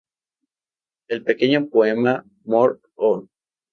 El pequeño poema "Mor ho!